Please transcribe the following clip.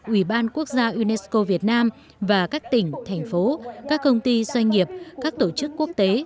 ubnd unesco việt nam và các tỉnh thành phố các công ty doanh nghiệp các tổ chức quốc tế